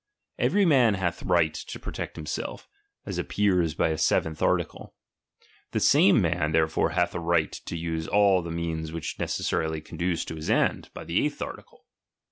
Every man hath right to protect himself, as appears by the seveDtb article. The same man therefore hath a right to use all the means which necessarily conduce to this end, by the eighth article.